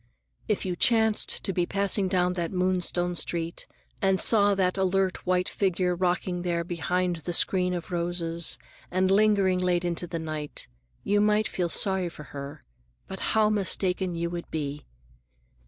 If you chanced to be passing down that Moonstone street and saw that alert white figure rocking there behind the screen of roses and lingering late into the night, you might feel sorry for her, and how mistaken you would be!